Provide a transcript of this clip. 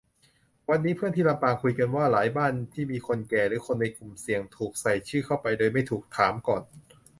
วันนี้เพื่อนที่ลำปางคุยกันว่า หลายบ้านที่มีคนแก่หรือคนในกลุ่มเสี่ยง ถูกใส่ชื่อเข้าไปโดยไม่ถูกถามก่อน